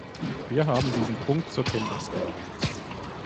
Wir haben diesen Punkt zur Kenntnis genommen.